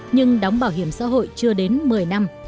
nhưng đóng bảo hiểm xã hội chưa đến một mươi năm